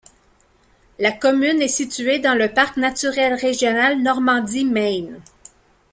La commune est située dans le parc naturel régional Normandie-Maine.